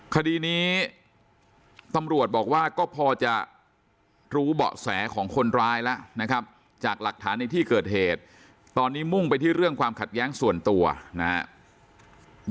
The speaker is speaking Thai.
คดีนี้ตำรวจบอกว่าก็พอจะรู้เบาะแสของคนร้ายแล้วนะครับจากหลักฐานในที่เกิดเหตุตอนนี้มุ่งไปที่เรื่องความขัดแย้งส่วนตัวนะครับ